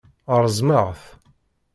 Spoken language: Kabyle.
Reẓmeɣ-t.